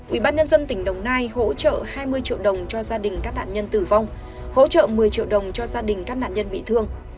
ubnd tỉnh đồng nai hỗ trợ hai mươi triệu đồng cho gia đình các nạn nhân tử vong hỗ trợ một mươi triệu đồng cho gia đình các nạn nhân bị thương